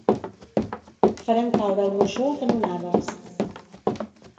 Farem caure el moixó a canonades.